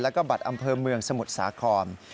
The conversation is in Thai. แล้วก็บัตรอำเภอเมืองสมุทรสาคร